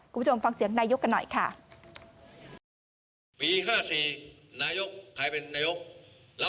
คุณผู้ชมฟังเสียงนายกกันหน่อยค่ะ